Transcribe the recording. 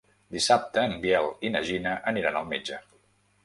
Dissabte en Biel i na Gina aniran al metge.